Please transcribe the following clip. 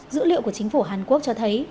dữ liệu của chính phủ hàn quốc cho thấy